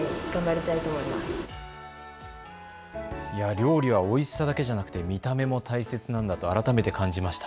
料理はおいしさだけじゃなくて見た目も大切なんだと改めて感じました。